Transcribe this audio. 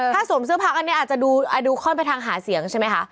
ถ้าสวมเสื้อพักอันนี้อาจจะดูค่อนไปทางหาเสียงใช่ไหมคะ